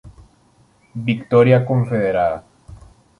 Victoria Confederada.